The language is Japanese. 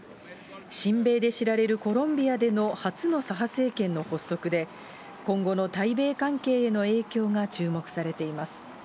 親米で知られるコロンビアでの初の左派政権の発足で、今後の対米関係への影響が注目されています。